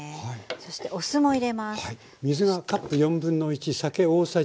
そしてお酢も入れます。